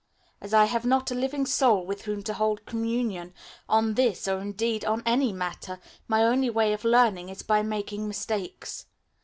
As I have not a living soul with whom to hold communion on this or indeed on any matter, my only way of learning is by making mistakes.